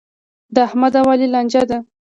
د احمد او علي لانجه ده.